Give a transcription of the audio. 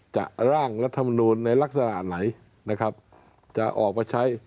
จะร่างรัฐมนูนในลักษณะไหนจะออกมาใช้